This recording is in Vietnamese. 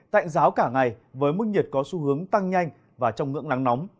tạnh giáo cả ngày với mức nhiệt có xu hướng tăng nhanh và trong ngưỡng nắng nóng